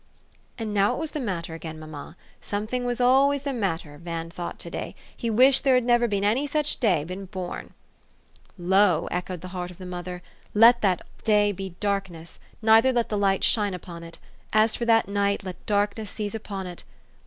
And now what was the matter, again, mamma? Somefing was always the matter, Van thought to day. He wished there had never any such day been born. " Lo !" echoed the heart of the mother, " let that day be darkness ; neither let the light shine upon it. As for that night, let darkness seize upon it.